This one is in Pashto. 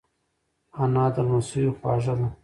انا د لمسیو خواږه ده